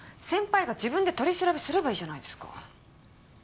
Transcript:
先輩が自分で取り調べすればいいじゃないですか。